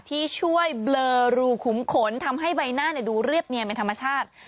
ที่ช่วยเบลอรูขุมขนทำให้ใบหน้าดูเรียบเนียนเป็นธรรมชาติ